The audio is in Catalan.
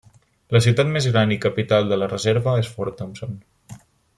La ciutat més gran i capital de la reserva és Fort Thompson.